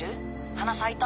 花咲いた？